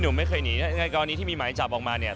ในกรณีที่มีไม้จับออกมาเนี่ย